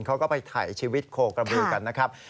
เขาก็ไปถ่ายชีวิตโคกระบือกันนะครับ